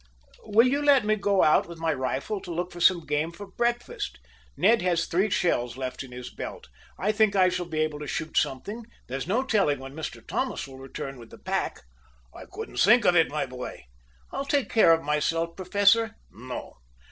"Will you let me go out with my rifle to look for some game for breakfast? Ned has three shells left in his belt. I think I shall be able to shoot something. There's no telling when Mr. Thomas will return with the pack." "I couldn't think of it, my boy." "I'll take care of myself, Professor." "No.